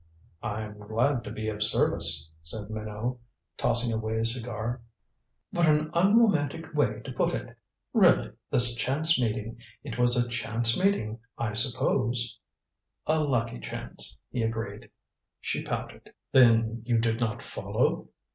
"I'm glad to be of service," said Minot, tossing away his cigar. "What an unromantic way to put it! Really, this chance meeting it was a chance meeting, I suppose? " "A lucky chance," he agreed. She pouted. "Then you did not follow?